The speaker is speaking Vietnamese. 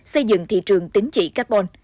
xây dựng thị trường tín chỉ carbon